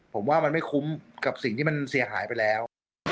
ผมว่ามันไม่คุ้มกับสิ่งที่มันเสียหายไปแล้ว